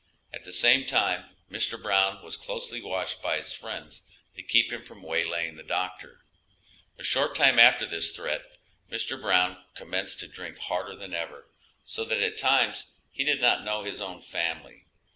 At the same time Mr. Brown was closely watched by his friends to keep him from waylaying the doctor. A short time after this threat Mr. Brown commenced to drink harder than ever, so that at times he did not know his own family.